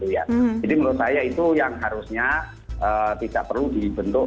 jadi menurut saya itu yang harusnya tidak perlu dibentuk